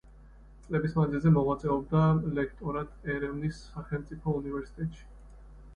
წლების მანძილზე მოღვაწეობდა ლექტორად ერევნის სახელმწიფო უნივერსიტეტში.